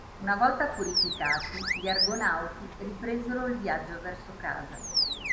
Una volta purificati, gli Argonauti ripresero il viaggio verso casa.